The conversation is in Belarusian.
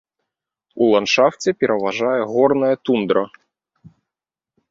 У ландшафце пераважае горная тундра.